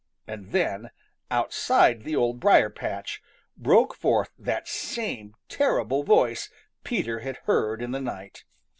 And then, outside the Old Briar patch, broke forth that same terrible voice Peter had heard in the night.